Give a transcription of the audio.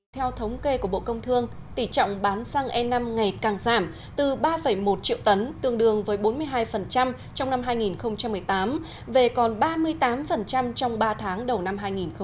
theo thống kê của bộ công thương tỷ trọng bán xăng e năm ngày càng giảm từ ba một triệu tấn tương đương với bốn mươi hai trong năm hai nghìn một mươi tám về còn ba mươi tám trong ba tháng đầu năm hai nghìn một mươi chín